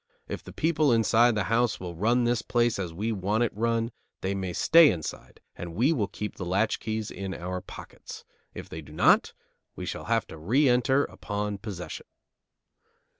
If the people inside the house will run the place as we want it run, they may stay inside and we will keep the latchkeys in our pockets. If they do not, we shall have to re enter upon possession."